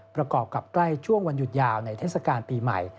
ประกอบกับใกล้ช่วงวันหยุดยาวในเทศกาลปีใหม่